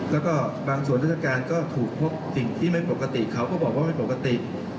แล้วก็บางส่วนราชการก็ถูกพบสิ่งที่ไม่ปกติเขาก็บอกว่าไม่ปกติ